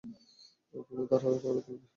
ওগুলো ধারালো করে তুলবে।